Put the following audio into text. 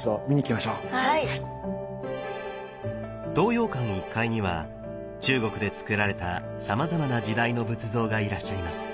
東洋館１階には中国でつくられたさまざまな時代の仏像がいらっしゃいます。